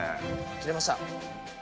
切れました。